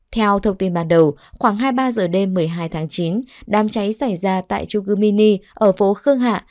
theo thông tin ban đầu khoảng hai mươi ba giờ đêm một mươi hai tháng chín đám cháy xảy ra tại trung cư mini ở phố khương hạ